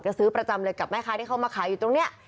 ซื้อประจำเลยกับแม่ค้าที่เขามาขายอยู่ตรงนี้